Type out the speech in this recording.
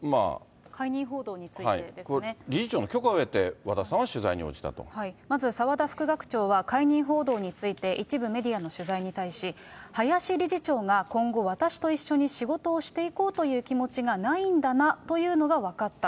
理事長の許可を得て、まずは澤田副学長は解任報道について、一部メディアの取材に対し、林理事長が今後、私と一緒に仕事をしていこうという気持ちがないんだなというのが分かった。